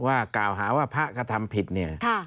ว่ากล่าวหาว่าพระกระทำผิดเนี่ย